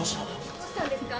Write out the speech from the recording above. どうしたんですか？